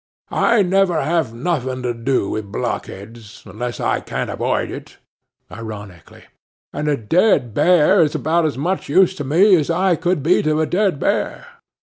I never have nothing to do with blockheads, unless I can't awoid it (ironically), and a dead bear's about as much use to me as I could be to a dead bear.